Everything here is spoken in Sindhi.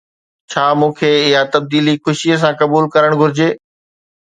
ڇا مون کي اها تبديلي خوشيءَ سان قبول ڪرڻ گهرجي؟